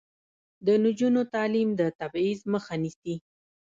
د نجونو تعلیم د تبعیض مخه نیسي.